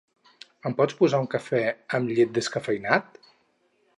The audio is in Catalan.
Em pots posar un cafè amb llet descafeïnat?